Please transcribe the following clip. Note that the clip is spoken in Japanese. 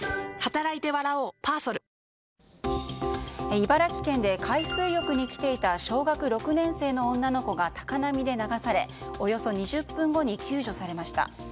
茨城県で海水浴に来ていた小学６年生の女の子が高波で流されおよそ２０分後に救助されました。